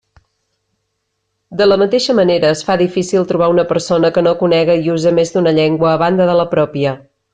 De la mateixa manera es fa difícil trobar una persona que no conega i use més d'una llengua a banda de la pròpia.